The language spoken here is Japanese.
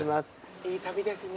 いい旅ですね。